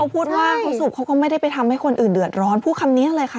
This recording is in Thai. พูดว่าเขาสูบเขาก็ไม่ได้ไปทำให้คนอื่นเดือดร้อนพูดคำนี้เลยค่ะ